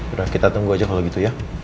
udah kita tunggu aja kalau gitu ya